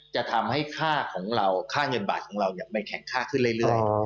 จะทำให้ค่าของเราค่าเงินบาทของเรามันแข็งค่าขึ้นเรื่อย